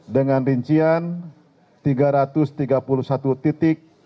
dengan rincian tiga ratus tiga puluh satu titik